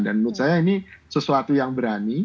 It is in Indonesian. dan menurut saya ini sesuatu yang berani